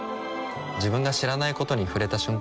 自分が知らないことに触れた瞬間